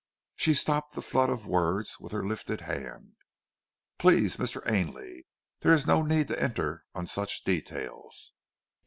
She stopped the flood of words with her lifted hand. "Please, Mr. Ainley! There is no need to enter on such details."